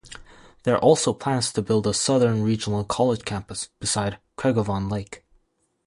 There are also plans to build a Southern Regional College campus beside Craigavon Lake.